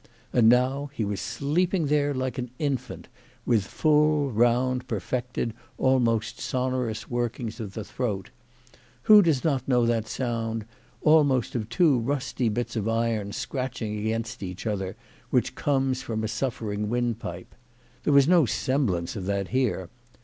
And now he was sleeping there like an infant, with full, round, perfected, almost sonorous workings of the throat. Who does not know that sound, almost of two rusty bits of iron scratching against each other, which comes from a suffering windpipe ? There was no semblance of that here.